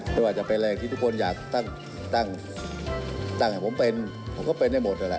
ไม่ว่าจะเป็นอะไรที่ทุกคนอยากตั้งตั้งตั้งให้ผมเป็น